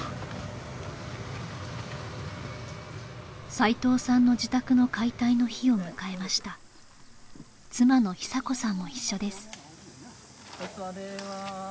齊藤さんの自宅の解体の日を迎えました妻の久子さんも一緒です